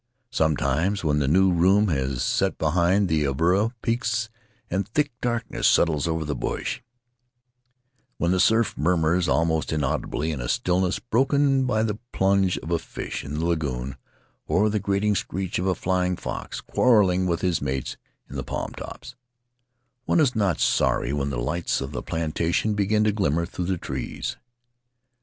Sometimes, when the new moon has set behind the Avarua peaks and thick darkness settles over the bush — when the surf murmurs almost inaudibly in a stillness broken by the plunge of a fish in the lagoon, or the grating screech of a flying fox, quarreling with his mates in the palm tops — one is not sorry when the lights of the plantation begin to glimmer through the trees.